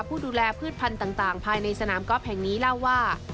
ผู้ดูแลพืชพันธุ์ต่างภายในสนามกอล์ฟแห่งนี้เล่าว่า